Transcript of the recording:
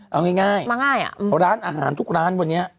เอาง่ายมาง่ายร้านอาหารทุกร้านวันนี้